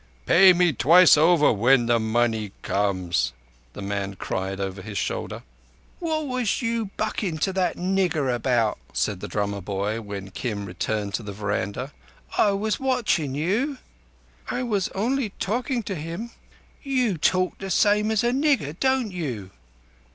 "Pay me twice over when the money comes," the man cried over his shoulder. "What was you bukkin' to that nigger about?" said the drummer boy when Kim returned to the veranda. "I was watch in' you." "I was only talkin' to him." "You talk the same as a nigger, don't you?"